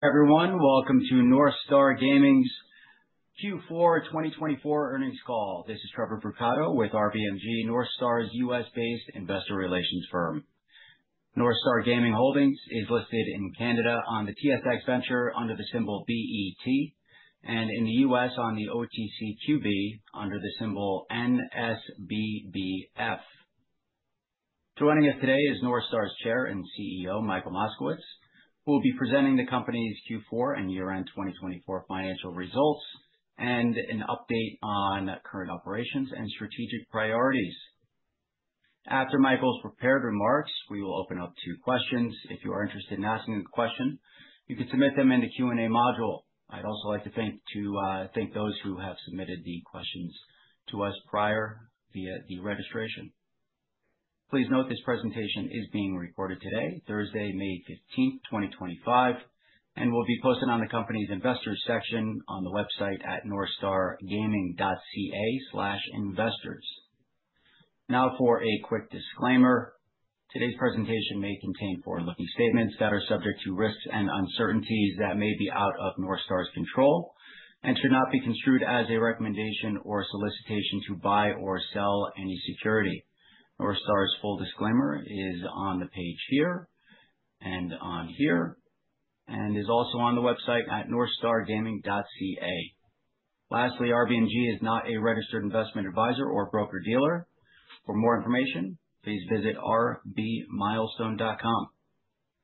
Everyone, welcome to NorthStar Gaming's Q4 2024 earnings call. This is Trevor Brocato with RBMG, NorthStar's U.S.-based investor relations firm. NorthStar Gaming Holdings is listed in Canada on the TSX Venture under the symbol BET, and in the U.S. on the OTCQB under the symbol NSBBF. Joining us today is NorthStar's Chair and CEO, Michael Moskowitz, who will be presenting the company's Q4 and year-end 2024 financial results and an update on current operations and strategic priorities. After Michael's prepared remarks, we will open up to questions. If you are interested in asking a question, you can submit them in the Q&A module. I'd also like to thank those who have submitted the questions to us prior via the registration. Please note this presentation is being recorded today, Thursday, May 15, 2025, and will be posted on the company's Investors section on the website at northstargaming.ca/investors. Now, for a quick disclaimer, today's presentation may contain forward-looking statements that are subject to risks and uncertainties that may be out of NorthStar's control and should not be construed as a recommendation or solicitation to buy or sell any security. NorthStar's full disclaimer is on the page here and on here and is also on the website at northstargaming.ca. Lastly, RBMG is not a registered investment advisor or broker-dealer. For more information, please visit rbmilestone.com.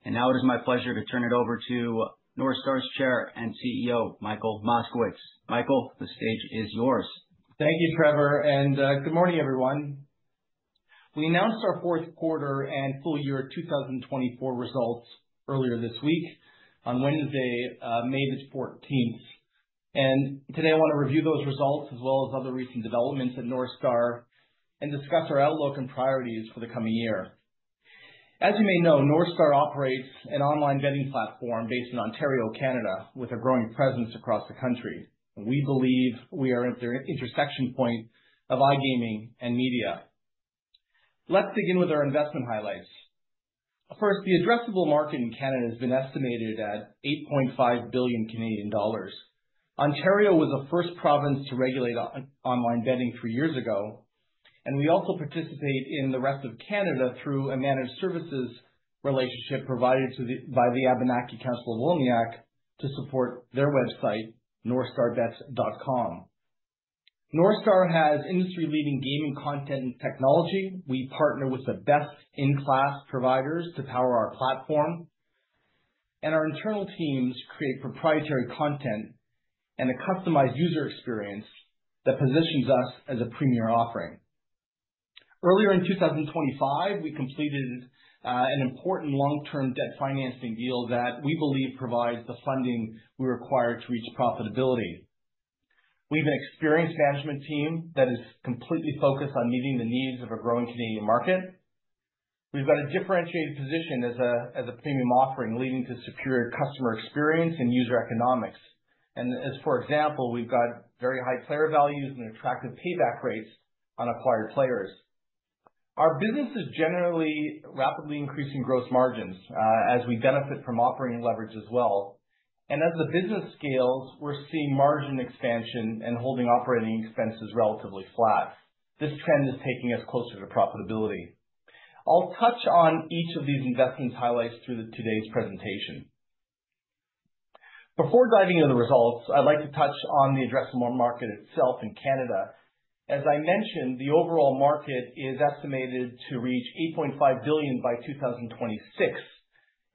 Now it is my pleasure to turn it over to NorthStar's Chair and CEO, Michael Moskowitz. Michael, the stage is yours. Thank you, Trevor, and good morning, everyone. We announced our fourth quarter and full year 2024 results earlier this week on Wednesday, May the 14th. Today, I want to review those results as well as other recent developments at NorthStar and discuss our outlook and priorities for the coming year. As you may know, NorthStar operates an online betting platform based in Ontario, Canada, with a growing presence across the country. We believe we are at the intersection point of iGaming and media. Let's begin with our investment highlights. First, the addressable market in Canada has been estimated at 8.5 billion Canadian dollars. Ontario was the first province to regulate online betting three years ago, and we also participate in the rest of Canada through a managed services relationship provided by the Abenaki Council of Wolinak to support their website, northstarbets.com. NorthStar has industry-leading gaming content and technology. We partner with the best-in-class providers to power our platform, and our internal teams create proprietary content and a customized user experience that positions us as a premier offering. Earlier in 2025, we completed an important long-term debt financing deal that we believe provides the funding we require to reach profitability. We have an experienced management team that is completely focused on meeting the needs of a growing Canadian market. We've got a differentiated position as a premium offering leading to superior customer experience and user economics, and as for example, we've got very high player values and attractive payback rates on acquired players. Our business is generally rapidly increasing gross margins as we benefit from operating leverage as well, and as the business scales, we're seeing margin expansion and holding operating expenses relatively flat. This trend is taking us closer to profitability. I'll touch on each of these investment highlights through today's presentation. Before diving into the results, I'd like to touch on the addressable market itself in Canada. As I mentioned, the overall market is estimated to reach 8.5 billion by 2026,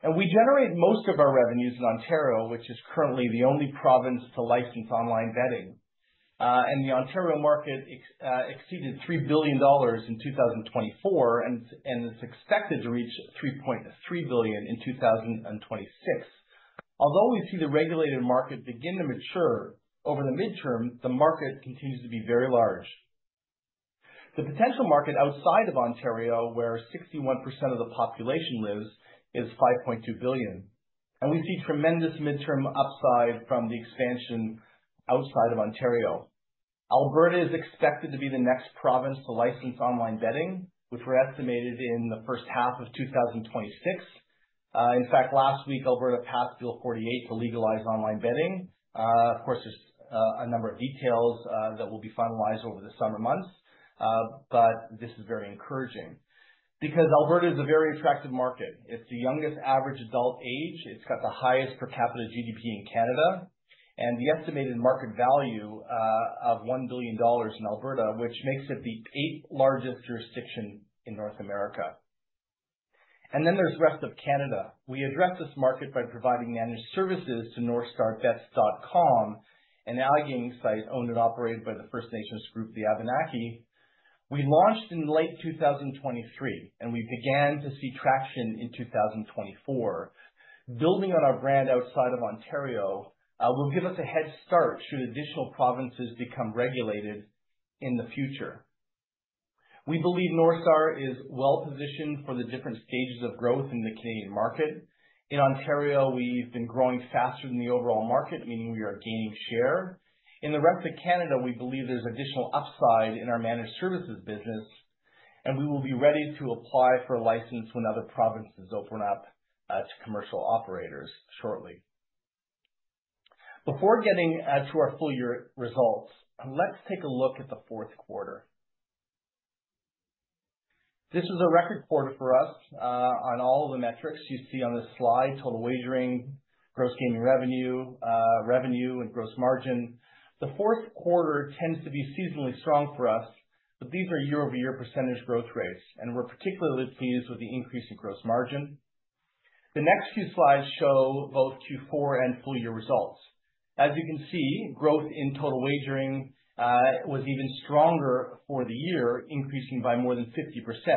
and we generate most of our revenues in Ontario, which is currently the only province to license online betting, and the Ontario market exceeded 3 billion dollars in 2024 and is expected to reach 3.3 billion in 2026. Although we see the regulated market begin to mature over the midterm, the market continues to be very large. The potential market outside of Ontario, where 61% of the population lives, is 5.2 billion, and we see tremendous midterm upside from the expansion outside of Ontario. Alberta is expected to be the next province to license online betting, which we're estimated in the first half of 2026. In fact, last week, Alberta passed Bill 48 to legalize online betting. Of course, there's a number of details that will be finalized over the summer months, but this is very encouraging because Alberta is a very attractive market. It's the youngest average adult age. It's got the highest per capita GDP in Canada and the estimated market value of 1 billion dollars in Alberta, which makes it the eighth largest jurisdiction in North America. And then there's the rest of Canada. We address this market by providing managed services to northstarbets.com, an iGaming site owned and operated by the First Nations group, the Abenaki. We launched in late 2023, and we began to see traction in 2024. Building on our brand outside of Ontario will give us a head start should additional provinces become regulated in the future. We believe NorthStar is well positioned for the different stages of growth in the Canadian market. In Ontario, we've been growing faster than the overall market, meaning we are gaining share. In the rest of Canada, we believe there's additional upside in our managed services business, and we will be ready to apply for a license when other provinces open up to commercial operators shortly. Before getting to our full year results, let's take a look at the fourth quarter. This was a record quarter for us on all of the metrics you see on this slide: total wagering, gross gaming revenue, revenue, and gross margin. The fourth quarter tends to be seasonally strong for us, but these are year-over-year % growth rates, and we're particularly pleased with the increase in gross margin. The next few slides show both Q4 and full year results. As you can see, growth in total wagering was even stronger for the year, increasing by more than 50%.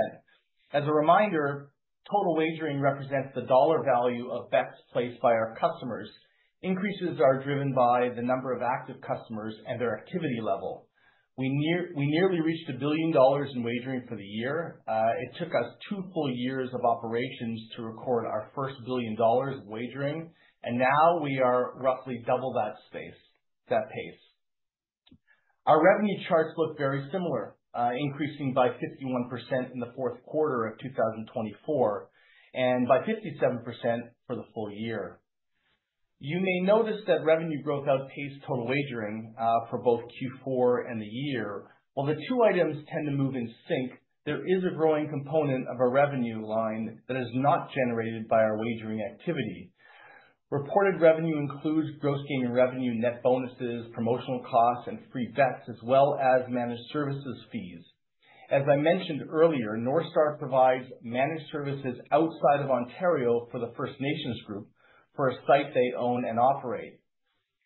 As a reminder, total wagering represents the dollar value of bets placed by our customers. Increases are driven by the number of active customers and their activity level. We nearly reached $1 billion in wagering for the year. It took us two full years of operations to record our first $1 billion of wagering, and now we are roughly double that space, that pace. Our revenue charts look very similar, increasing by 51% in the fourth quarter of 2024 and by 57% for the full year. You may notice that revenue growth outpaced total wagering for both Q4 and the year. While the two items tend to move in sync, there is a growing component of a revenue line that is not generated by our wagering activity. Reported revenue includes gross gaming revenue, net bonuses, promotional costs, and free bets, as well as managed services fees. As I mentioned earlier, NorthStar provides managed services outside of Ontario for the First Nations group for a site they own and operate.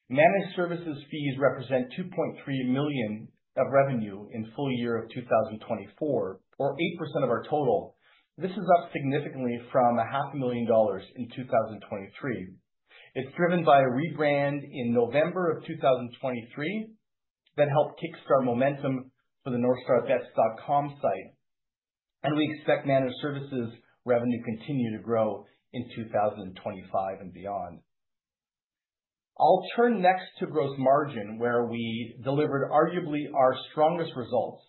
Managed services fees represent 2.3 million of revenue in full year of 2024, or 8% of our total. This is up significantly from 0.5 million dollars in 2023. It's driven by a rebrand in November of 2023 that helped kickstart momentum for the northstarbets.com site, and we expect managed services revenue to continue to grow in 2025 and beyond. I'll turn next to gross margin, where we delivered arguably our strongest results.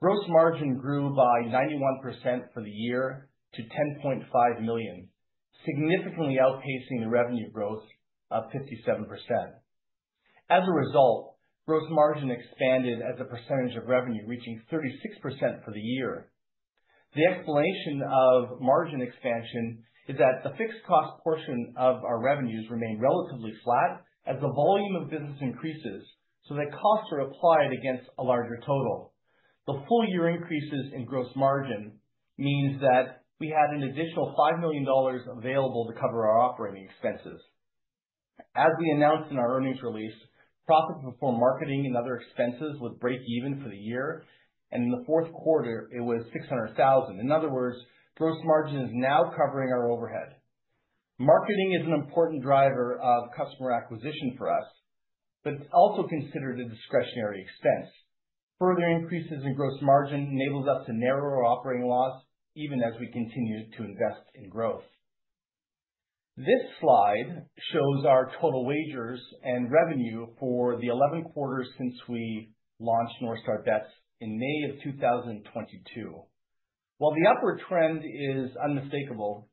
Gross margin grew by 91% for the year to 10.5 million, significantly outpacing the revenue growth of 57%. As a result, gross margin expanded as a percentage of revenue, reaching 36% for the year. The explanation of margin expansion is that the fixed cost portion of our revenues remained relatively flat as the volume of business increases, so that costs are applied against a larger total. The full year increases in gross margin means that we had an additional 5 million dollars available to cover our operating expenses. As we announced in our earnings release, profits before marketing and other expenses would break even for the year, and in the fourth quarter, it was 600,000. In other words, gross margin is now covering our overhead. Marketing is an important driver of customer acquisition for us, but it's also considered a discretionary expense. Further increases in gross margin enable us to narrow our operating loss even as we continue to invest in growth. This slide shows our total wagers and revenue for the 11 quarters since we launched NorthStar Bets in May of 2022. While the upward trend is unmistakable,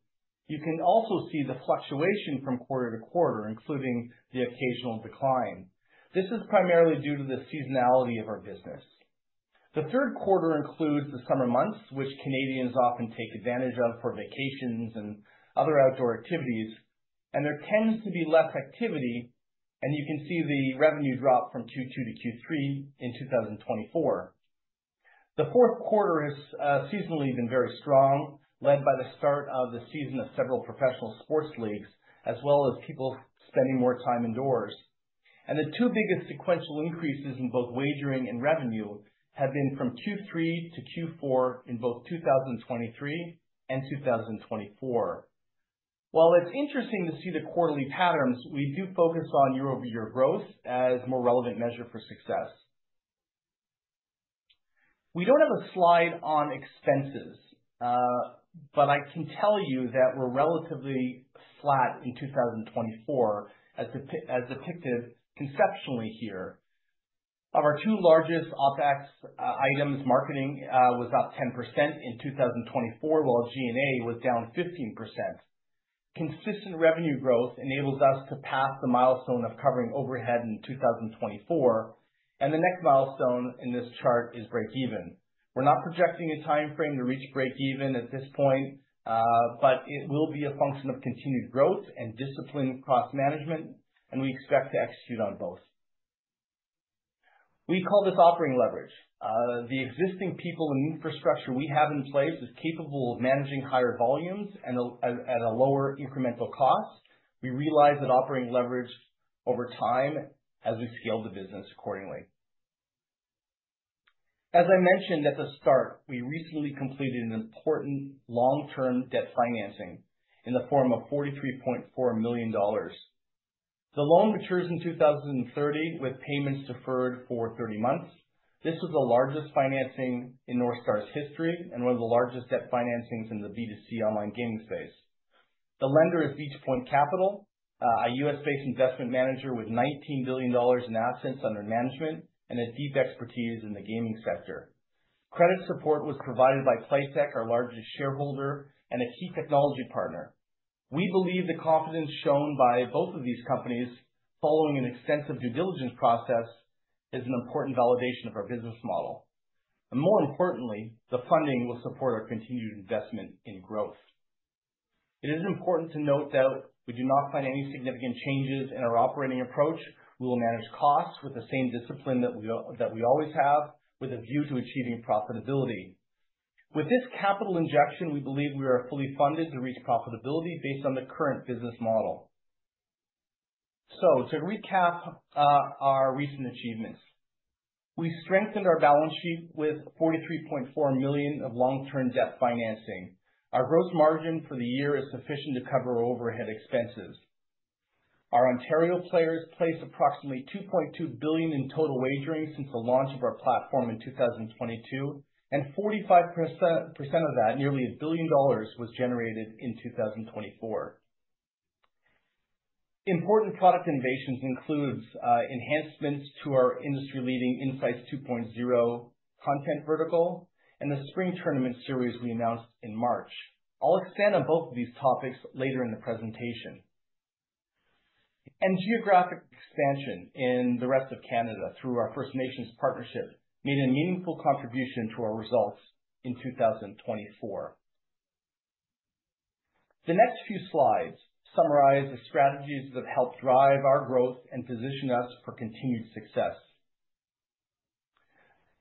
you can also see the fluctuation from quarter to quarter, including the occasional decline. This is primarily due to the seasonality of our business. The third quarter includes the summer months, which Canadians often take advantage of for vacations and other outdoor activities, and there tends to be less activity, and you can see the revenue drop from Q2 to Q3 in 2024. The fourth quarter has seasonally been very strong, led by the start of the season of several professional sports leagues, as well as people spending more time indoors, and the two biggest sequential increases in both wagering and revenue have been from Q3 to Q4 in both 2023 and 2024. While it's interesting to see the quarterly patterns, we do focus on year-over-year growth as a more relevant measure for success. We don't have a slide on expenses, but I can tell you that we're relatively flat in 2024, as depicted conceptually here. Of our two largest OpEx items, marketing was up 10% in 2024, while G&A was down 15%. Consistent revenue growth enables us to pass the milestone of covering overhead in 2024, and the next milestone in this chart is break even. We're not projecting a timeframe to reach break even at this point, but it will be a function of continued growth and discipline across management, and we expect to execute on both. We call this operating leverage. The existing people and infrastructure we have in place is capable of managing higher volumes and at a lower incremental cost. We realize that operating leverage over time as we scale the business accordingly. As I mentioned at the start, we recently completed an important long-term debt financing in the form of 43.4 million dollars. The loan matures in 2030 with payments deferred for 30 months. This is the largest financing in NorthStar's history and one of the largest debt financings in the B2C online gaming space. The lender is Beach Point Capital Management, a U.S.-based investment manager with 19 billion dollars in assets under management and a deep expertise in the gaming sector. Credit support was provided by Playtech, our largest shareholder and a key technology partner. We believe the confidence shown by both of these companies following an extensive due diligence process is an important validation of our business model. And more importantly, the funding will support our continued investment in growth. It is important to note that we do not find any significant changes in our operating approach. We will manage costs with the same discipline that we always have, with a view to achieving profitability. With this capital injection, we believe we are fully funded to reach profitability based on the current business model. So, to recap our recent achievements, we strengthened our balance sheet with 43.4 million of long-term debt financing. Our gross margin for the year is sufficient to cover overhead expenses. Our Ontario players placed approximately 2.2 billion in total wagering since the launch of our platform in 2022, and 45% of that, nearly 1 billion dollars, was generated in 2024. Important product innovations include enhancements to our industry-leading Insights 2.0 content vertical and the Spring Tournament series we announced in March. I'll expand on both of these topics later in the presentation. And geographic expansion in the rest of Canada through our First Nations partnership made a meaningful contribution to our results in 2024. The next few slides summarize the strategies that help drive our growth and position us for continued success.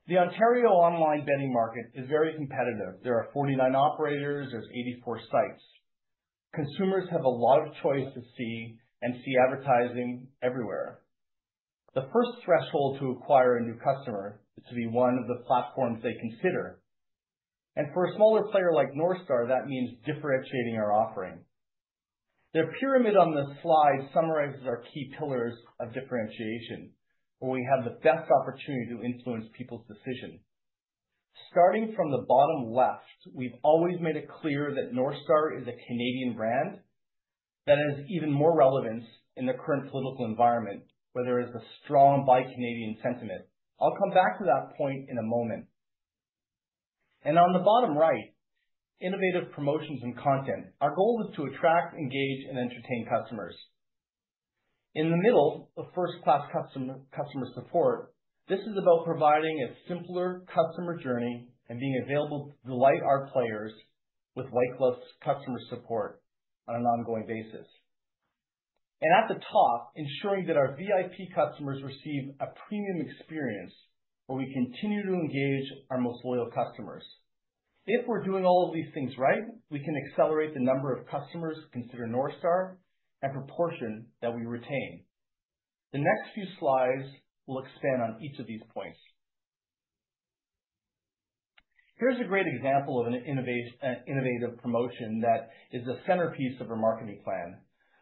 The Ontario online betting market is very competitive. There are 49 operators. There's 84 sites. Consumers have a lot of choice to see advertising everywhere. The first threshold to acquire a new customer is to be one of the platforms they consider, and for a smaller player like NorthStar, that means differentiating our offering. The pyramid on the slide summarizes our key pillars of differentiation, where we have the best opportunity to influence people's decision. Starting from the bottom left, we've always made it clear that NorthStar is a Canadian brand. That has even more relevance in the current political environment, where there is a strong buy Canadian sentiment. I'll come back to that point in a moment, and on the bottom right, innovative promotions and content. Our goal is to attract, engage, and entertain customers. In the middle, the first-class customer support. This is about providing a simpler customer journey and being available to delight our players with white glove customer support on an ongoing basis, and at the top, ensuring that our VIP customers receive a premium experience where we continue to engage our most loyal customers. If we're doing all of these things right, we can accelerate the number of customers considered NorthStar and proportion that we retain. The next few slides will expand on each of these points. Here's a great example of an innovative promotion that is the centerpiece of our marketing plan.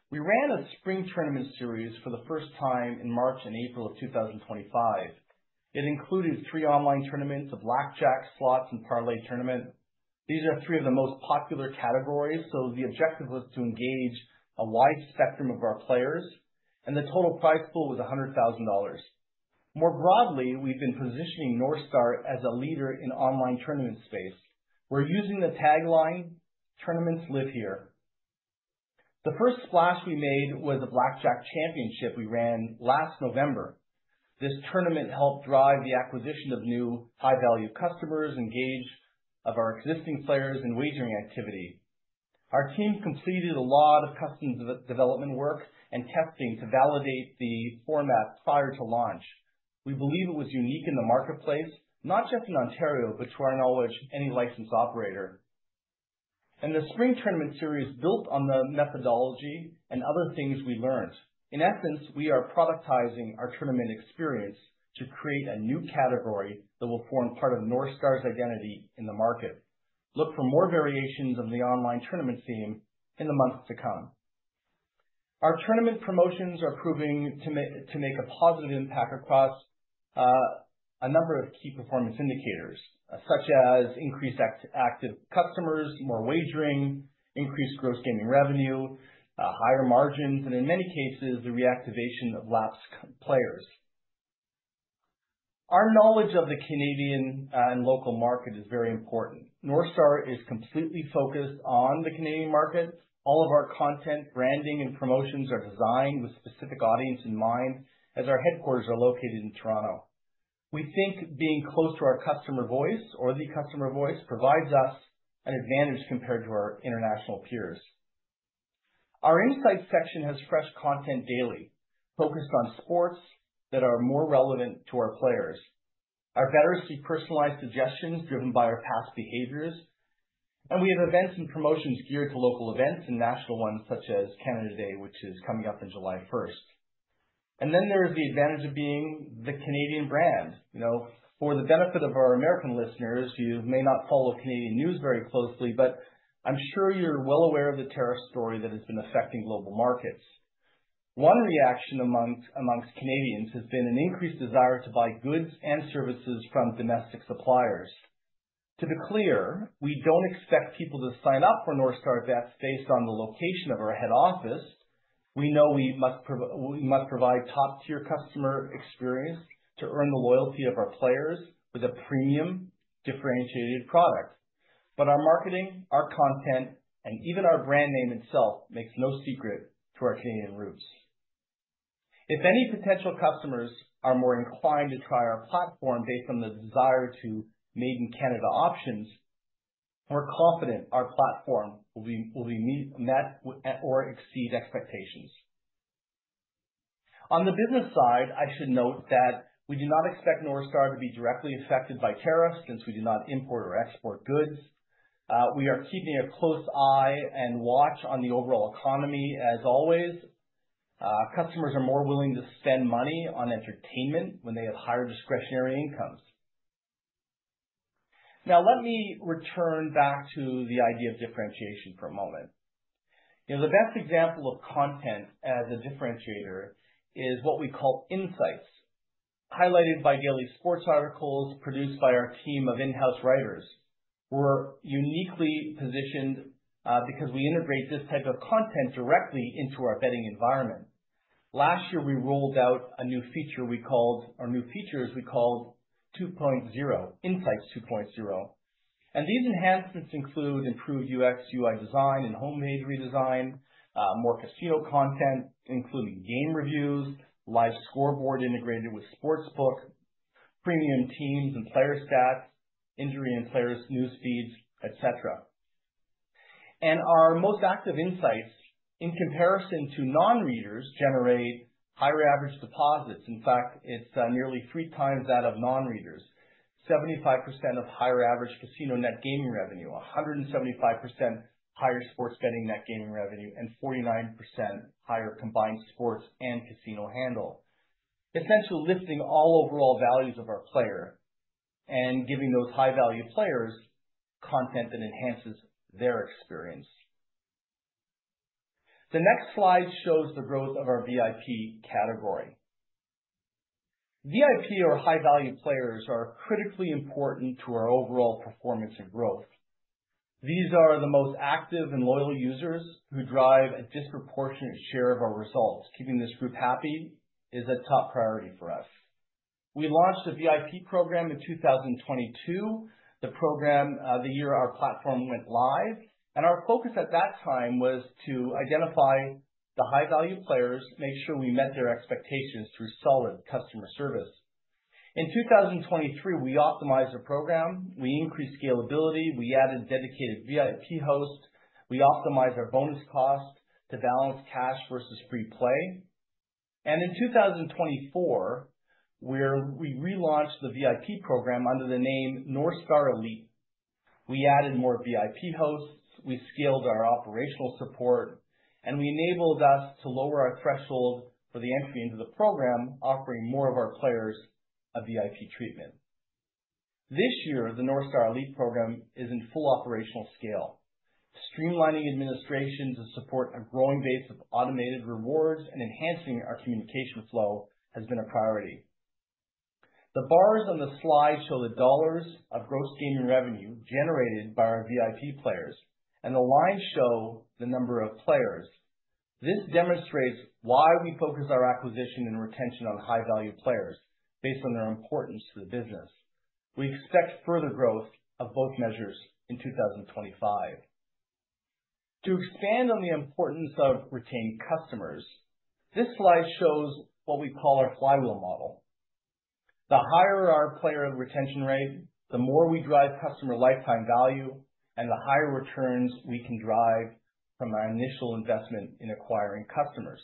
We ran a Spring Tournament series for the first time in March and April of 2025. It included three online tournaments, a Blackjack, slots, and Parlay tournament. These are three of the most popular categories, so the objective was to engage a wide spectrum of our players, and the total prize pool was 100,000 dollars. More broadly, we've been positioning NorthStar as a leader in the online tournament space. We're using the tagline, "Tournaments live here." The first splash we made was a Blackjack Championship we ran last November. This tournament helped drive the acquisition of new high-value customers, engagement of our existing players, and wagering activity. Our team completed a lot of custom development work and testing to validate the format prior to launch. We believe it was unique in the marketplace, not just in Ontario, but to our knowledge, any licensed operator, and the Spring Tournament series built on the methodology and other things we learned. In essence, we are productizing our tournament experience to create a new category that will form part of NorthStar's identity in the market. Look for more variations of the online tournament theme in the months to come. Our tournament promotions are proving to make a positive impact across a number of key performance indicators, such as increased active customers, more wagering, increased gross gaming revenue, higher margins, and in many cases, the reactivation of lapsed players. Our knowledge of the Canadian and local market is very important. NorthStar is completely focused on the Canadian market. All of our content, branding, and promotions are designed with specific audience in mind, as our headquarters are located in Toronto. We think being close to our customer voice or the customer voice provides us an advantage compared to our international peers. Our Insights section has fresh content daily, focused on sports that are more relevant to our players. Our bettors see personalized suggestions driven by our past behaviors. We have events and promotions geared to local events and national ones, such as Canada Day, which is coming up on July 1st. Then there is the advantage of being the Canadian brand. For the benefit of our American listeners, you may not follow Canadian news very closely, but I'm sure you're well aware of the tariff story that has been affecting global markets. One reaction among Canadians has been an increased desire to buy goods and services from domestic suppliers. To be clear, we don't expect people to sign up for NorthStar Bets based on the location of our head office. We know we must provide top-tier customer experience to earn the loyalty of our players with a premium differentiated product. But our marketing, our content, and even our brand name itself makes no secret to our Canadian roots. If any potential customers are more inclined to try our platform based on the desire to make in Canada options, we're confident our platform will meet or exceed expectations. On the business side, I should note that we do not expect NorthStar to be directly affected by tariffs since we do not import or export goods. We are keeping a close eye and watch on the overall economy as always. Customers are more willing to spend money on entertainment when they have higher discretionary incomes. Now, let me return back to the idea of differentiation for a moment. The best example of content as a differentiator is what we call Insights, highlighted by daily sports articles produced by our team of in-house writers. We're uniquely positioned because we integrate this type of content directly into our betting environment. Last year, we rolled out a new feature we called Insights 2.0. These enhancements include improved UX, UI design, and homepage redesign, more casino content, including game reviews, live scoreboard integrated with sportsbook, premium teams and player stats, injury and players' news feeds, etc. Our most active Insights, in comparison to non-readers, generate higher average deposits. In fact, it's nearly three times that of non-readers, 75% higher average casino net gaming revenue, 175% higher sports betting net gaming revenue, and 49% higher combined sports and casino handle, essentially lifting all overall values of our players and giving those high-value players content that enhances their experience. The next slide shows the growth of our VIP category. VIP or high-value players are critically important to our overall performance and growth. These are the most active and loyal users who drive a disproportionate share of our results. Keeping this group happy is a top priority for us. We launched a VIP program in 2022, the year our platform went live. Our focus at that time was to identify the high-value players, make sure we met their expectations through solid customer service. In 2023, we optimized our program. We increased scalability. We added dedicated VIP hosts. We optimized our bonus cost to balance cash versus free play. In 2024, we relaunched the VIP program under the name NorthStar Elite. We added more VIP hosts. We scaled our operational support, and we enabled us to lower our threshold for the entry into the program, offering more of our players a VIP treatment. This year, the NorthStar Elite program is in full operational scale. Streamlining administrations to support a growing base of automated rewards and enhancing our communication flow has been a priority. The bars on the slide show the dollars of gross gaming revenue generated by our VIP players, and the lines show the number of players. This demonstrates why we focus our acquisition and retention on high-value players based on their importance to the business. We expect further growth of both measures in 2025. To expand on the importance of retained customers, this slide shows what we call our flywheel model. The higher our player retention rate, the more we drive customer lifetime value, and the higher returns we can drive from our initial investment in acquiring customers.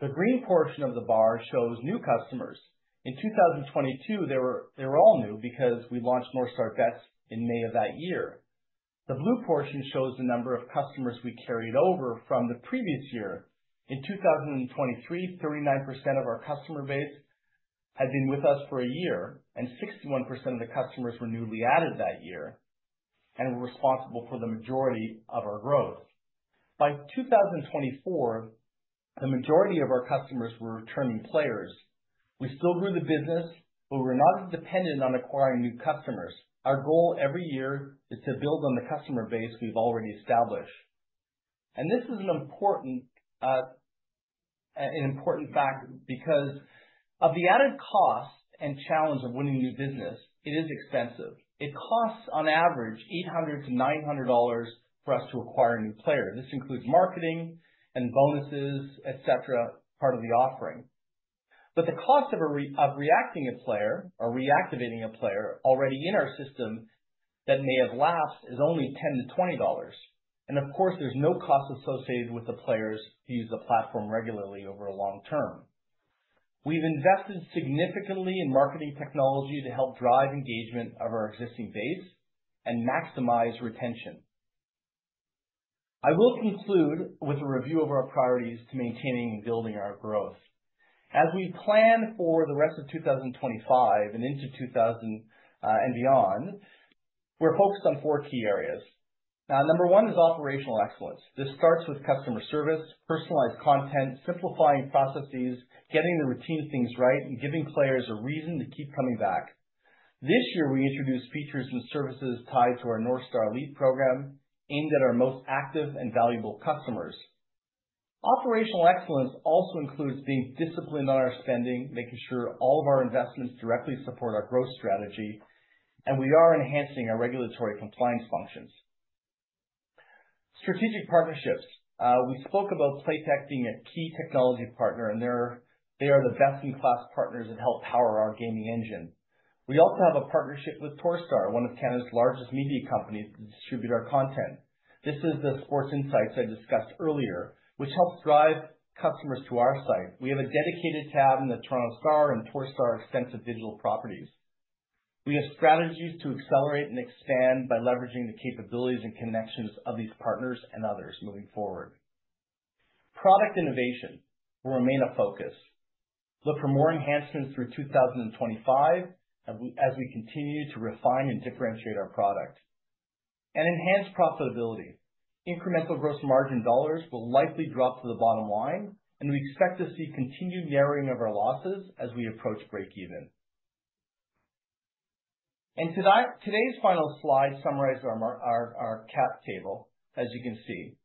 The green portion of the bar shows new customers. In 2022, they were all new because we launched NorthStar Bets in May of that year. The blue portion shows the number of customers we carried over from the previous year. In 2023, 39% of our customer base had been with us for a year, and 61% of the customers were newly added that year and were responsible for the majority of our growth. By 2024, the majority of our customers were returning players. We still grew the business, but we're not dependent on acquiring new customers. Our goal every year is to build on the customer base we've already established, and this is an important fact because of the added cost and challenge of winning new business. It is expensive. It costs on average 800-900 dollars for us to acquire a new player. This includes marketing and bonuses, etc., part of the offering, but the cost of reacting a player or reactivating a player already in our system that may have lapsed is only 10-20 dollars, and of course, there's no cost associated with the players who use the platform regularly over a long term. We've invested significantly in marketing technology to help drive engagement of our existing base and maximize retention. I will conclude with a review of our priorities to maintaining and building our growth. As we plan for the rest of 2025 and into 2000 and beyond, we're focused on four key areas. Now, number one is operational excellence. This starts with customer service, personalized content, simplifying processes, getting the routine things right, and giving players a reason to keep coming back. This year, we introduced features and services tied to our NorthStar Elite program aimed at our most active and valuable customers. Operational excellence also includes being disciplined on our spending, making sure all of our investments directly support our growth strategy, and we are enhancing our regulatory compliance functions. Strategic partnerships. We spoke about Playtech being a key technology partner, and they are the best-in-class partners that help power our gaming engine. We also have a partnership with Torstar, one of Canada's largest media companies that distribute our content. This is the sports insights I discussed earlier, which helps drive customers to our site. We have a dedicated tab in the Toronto Star and Torstar extensive digital properties. We have strategies to accelerate and expand by leveraging the capabilities and connections of these partners and others moving forward. Product innovation will remain a focus. Look for more enhancements through 2025 as we continue to refine and differentiate our product, and enhanced profitability. Incremental gross margin dollars will likely drop to the bottom line, and we expect to see continued narrowing of our losses as we approach breakeven. Today's final slide summarizes our cap table, as you can see.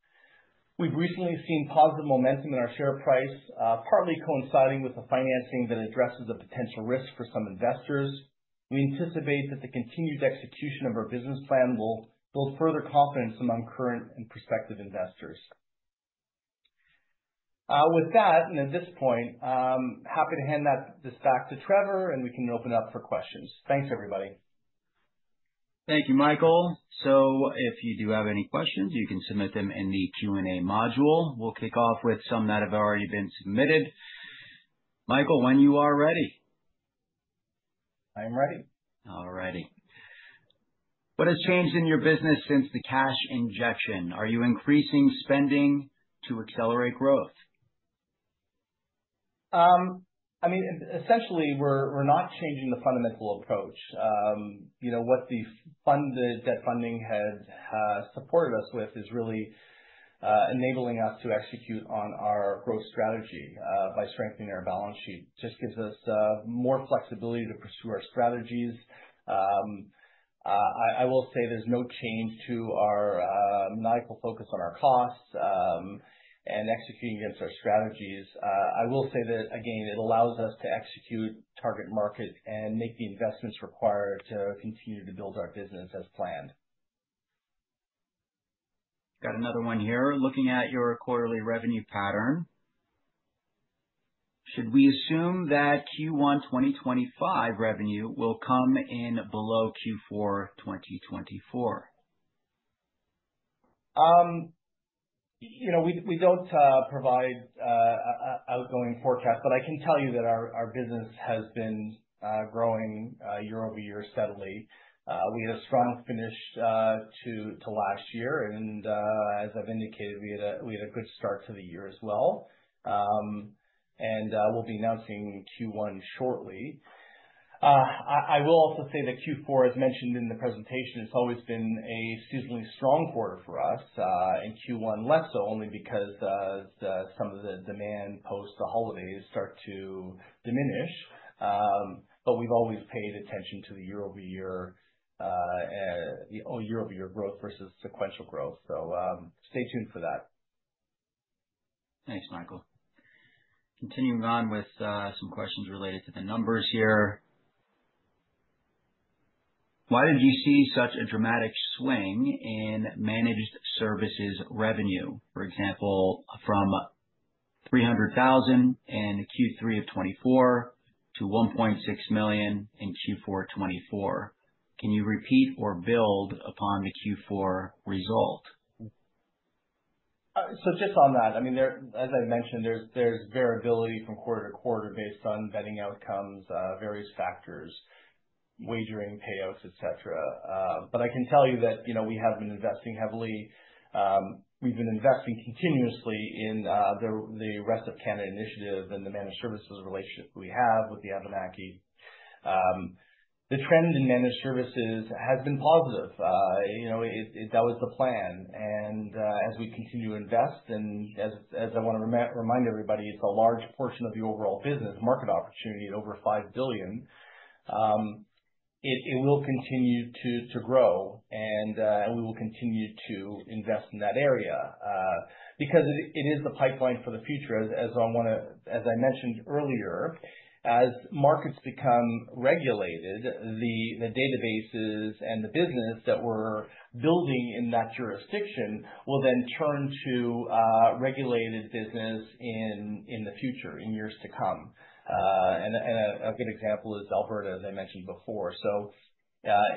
We've recently seen positive momentum in our share price, partly coinciding with the financing that addresses the potential risk for some investors. We anticipate that the continued execution of our business plan will build further confidence among current and prospective investors. With that, and at this point, I'm happy to hand this back to Trevor, and we can open up for questions. Thanks, everybody. Thank you, Michael. So if you do have any questions, you can submit them in the Q&A module. We'll kick off with some that have already been submitted. Michael, when you are ready. I am ready. All righty. What has changed in your business since the cash injection? Are you increasing spending to accelerate growth? I mean, essentially, we're not changing the fundamental approach. What the debt funding has supported us with is really enabling us to execute on our growth strategy by strengthening our balance sheet. It just gives us more flexibility to pursue our strategies. I will say there's no change to our maniacal focus on our costs and executing against our strategies. I will say that, again, it allows us to execute target market and make the investments required to continue to build our business as planned. Got another one here. Looking at your quarterly revenue pattern, should we assume that Q1 2025 revenue will come in below Q4 2024? We don't provide forward-looking forecasts, but I can tell you that our business has been growing year-over-year steadily. We had a strong finish to last year, and as I've indicated, we had a good start to the year as well, and we'll be announcing Q1 shortly. I will also say that Q4, as mentioned in the presentation, has always been a seasonally strong quarter for us. In Q1, less so only because some of the demand post the holidays start to diminish. We've always paid attention to the year-over-year growth versus sequential growth. So stay tuned for that. Thanks, Michael. Continuing on with some questions related to the numbers here. Why did you see such a dramatic swing in managed services revenue, for example, from 300,000 in Q3 of 2024 to 1.6 million in Q4 2024? Can you repeat or build upon the Q4 result? So just on that, I mean, as I mentioned, there's variability from quarter to quarter based on betting outcomes, various factors, wagering payouts, etc. But I can tell you that we have been investing heavily. We've been investing continuously in the rest of Canada initiative and the managed services relationship we have with the Abenaki. The trend in managed services has been positive. That was the plan. And as we continue to invest, and as I want to remind everybody, it's a large portion of the overall business market opportunity at over 5 billion. It will continue to grow, and we will continue to invest in that area because it is the pipeline for the future. As I mentioned earlier, as markets become regulated, the databases and the business that we're building in that jurisdiction will then turn to regulated business in the future, in years to come. And a good example is Alberta, as I mentioned before. So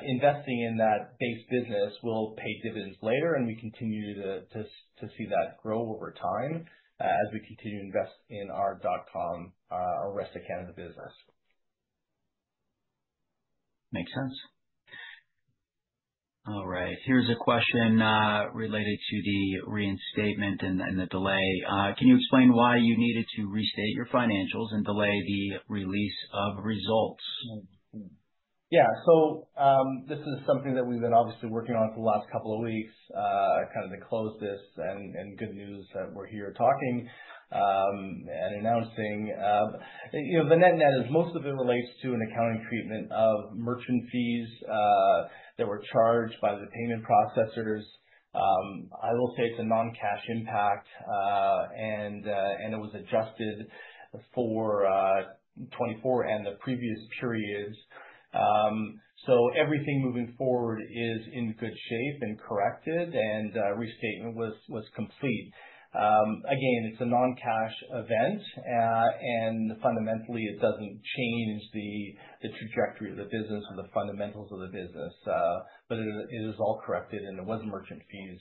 investing in that base business will pay dividends later, and we continue to see that grow over time as we continue to invest in our dot-com, our rest of Canada business. Makes sense. All right. Here's a question related to the reinstatement and the delay. Can you explain why you needed to restate your financials and delay the release of results? Yeah. So this is something that we've been obviously working on for the last couple of weeks, kind of to close this and good news that we're here talking and announcing. The net-net, most of it relates to an accounting treatment of merchant fees that were charged by the payment processors. I will say it's a non-cash impact, and it was adjusted for 2024 and the previous periods. So everything moving forward is in good shape and corrected, and restatement was complete. Again, it's a non-cash event, and fundamentally, it doesn't change the trajectory of the business or the fundamentals of the business. But it is all corrected, and it was merchant fees,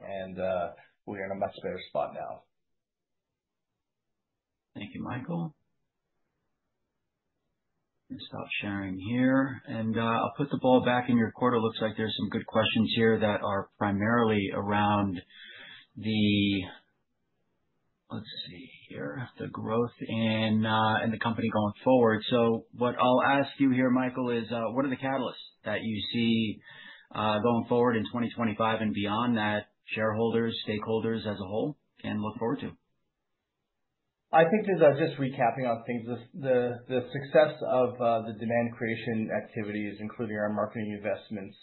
and we're in a much better spot now. Thank you, Michael. I'm going to stop sharing here. And I'll put the ball back in your court. Looks like there's some good questions here that are primarily around the, let's see here, the growth in the company going forward. So what I'll ask you here, Michael, is what are the catalysts that you see going forward in 2025 and beyond that, shareholders, stakeholders as a whole, and look forward to? I think just recapping on things, the success of the demand creation activities, including our marketing investments,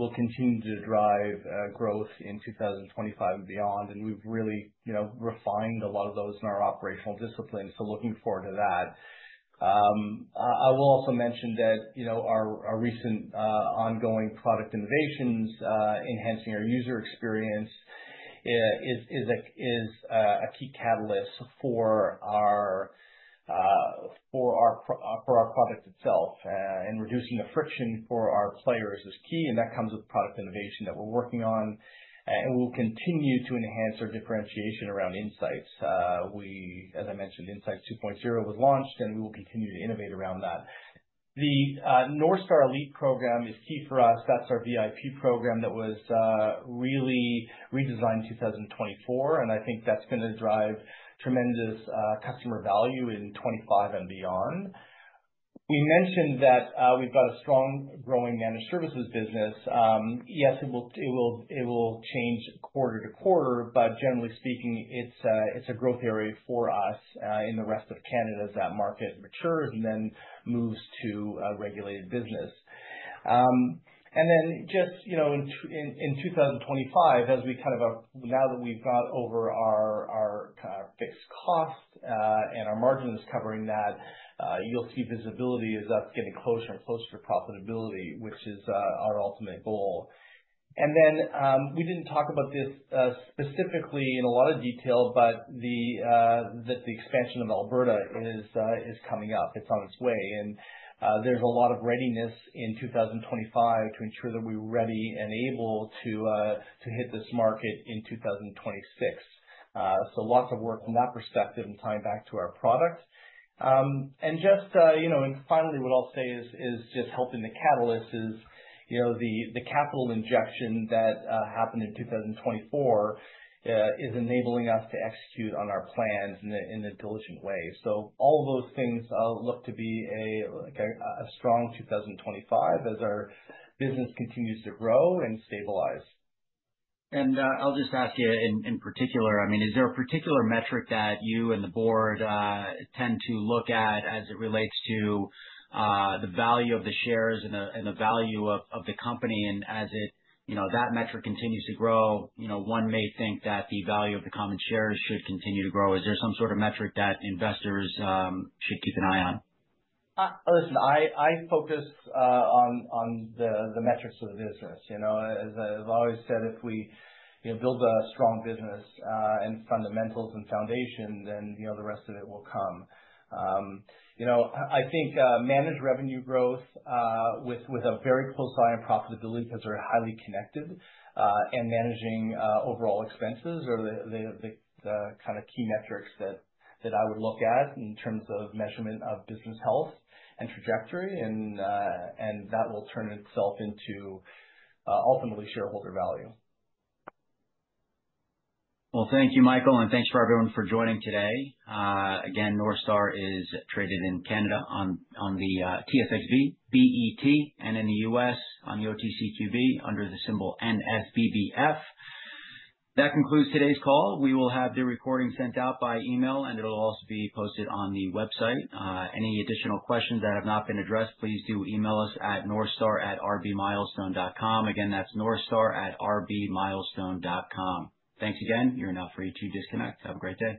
will continue to drive growth in 2025 and beyond. And we've really refined a lot of those in our operational discipline. So looking forward to that. I will also mention that our recent ongoing product innovations, enhancing our user experience, is a key catalyst for our product itself. And reducing the friction for our players is key, and that comes with product innovation that we're working on. We'll continue to enhance our differentiation around insights. As I mentioned, Insights 2.0 was launched, and we will continue to innovate around that. The NorthStar Elite program is key for us. That's our VIP program that was really redesigned in 2024, and I think that's going to drive tremendous customer value in 2025 and beyond. We mentioned that we've got a strong growing managed services business. Yes, it will change quarter to quarter, but generally speaking, it's a growth area for us in the rest of Canada as that market matures and then moves to regulated business. And then just in 2025, as we kind of now that we've gone over our fixed cost and our margins covering that, you'll see visibility as that's getting closer and closer to profitability, which is our ultimate goal. We didn't talk about this specifically in a lot of detail, but the expansion of Alberta is coming up. It's on its way. There's a lot of readiness in 2025 to ensure that we're ready and able to hit this market in 2026. Lots of work from that perspective and tying back to our product. Just finally, what I'll say is just helping the catalyst is the capital injection that happened in 2024 is enabling us to execute on our plans in a diligent way. All of those things look to be a strong 2025 as our business continues to grow and stabilize. I'll just ask you in particular, I mean, is there a particular metric that you and the board tend to look at as it relates to the value of the shares and the value of the company? And as that metric continues to grow, one may think that the value of the common shares should continue to grow. Is there some sort of metric that investors should keep an eye on? Listen, I focus on the metrics of the business. As I've always said, if we build a strong business and fundamentals and foundation, then the rest of it will come. I think managed revenue growth with a very close eye on profitability because they're highly connected and managing overall expenses are the kind of key metrics that I would look at in terms of measurement of business health and trajectory, and that will turn itself into ultimately shareholder value. Well, thank you, Michael, and thanks for everyone for joining today. Again, NorthStar is traded in Canada on the TSX Venture Exchange, BET, and in the U.S. on the OTCQB under the symbol NSBBF. That concludes today's call. We will have the recording sent out by email, and it'll also be posted on the website. Any additional questions that have not been addressed, please do email us at northstar@rbmilestone.com. Again, that's northstar@rbmilestone.com. Thanks again. You're now free to disconnect. Have a great day.